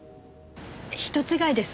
人違いです。